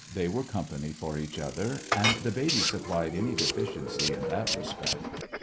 They were company for each other, and the baby supplied any deficiency in that respect.